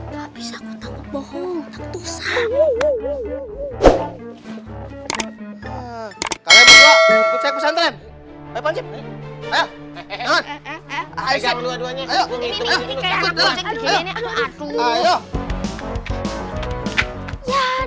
ya ditutup lagi aku harus naik tembok itu biar